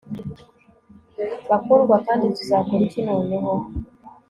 bakundwa, kandi tuzakora iki noneho